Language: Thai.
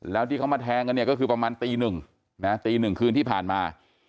แล้วที่เขามาแทงกันเนี่ยก็คือประมาณตีหนึ่งนะตีหนึ่งคืนที่ผ่านมา